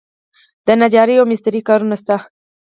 د نجارۍ او مسترۍ کارونه شته؟